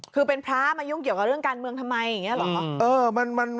คือเป็นพระมายุ่งเกี่ยวกับเรื่องการเมืองทำไมอย่างนี้เหรอ